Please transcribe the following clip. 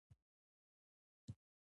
پکتیا ولایت غني کلتور لري